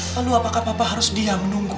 lalu apakah papa harus diam menunggu